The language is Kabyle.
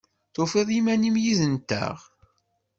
Tufiḍ iman-im yid-nteɣ?